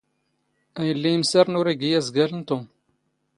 ⴰⵢⵍⵍⵉ ⵉⵎⵙⴰⵔⵏ ⵓⵔ ⵉⴳⵉ ⴰⵣⴳⴰⵍ ⵏ ⵜⵓⵎ.